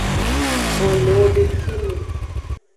Vo le ewodeki me.